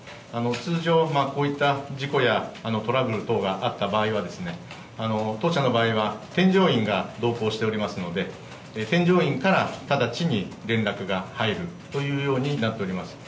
通常、こういった事故やトラブル等があった場合はですね、当社の場合は添乗員が同行しておりますので、添乗員から直ちに連絡が入るというようになっております。